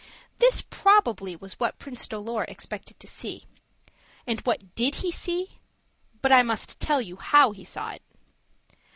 This, probably, was what Prince Dolor expected to see. And what did he see? But I must tell you how he saw it.